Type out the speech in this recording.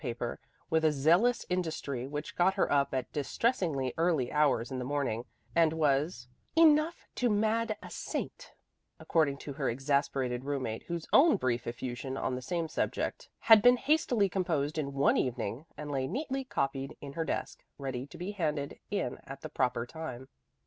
paper with a zealous industry which got her up at distressingly early hours in the morning, and was "enough to mad a saint," according to her exasperated roommate, whose own brief effusion on the same subject had been hastily composed in one evening and lay neatly copied in her desk, ready to be handed in at the proper time.